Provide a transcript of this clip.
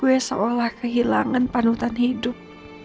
gue seolah kehilangan panutan hidup